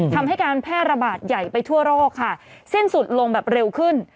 ทำให้การแพร่ระบาดใหญ่ไปทั่วโลกค่ะสิ้นสุดลงแบบเร็วขึ้น